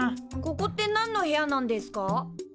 ここってなんの部屋なんですか？